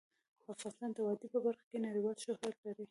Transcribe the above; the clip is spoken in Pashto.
افغانستان د وادي په برخه کې نړیوال شهرت لري.